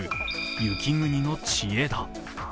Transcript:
雪国の知恵だ。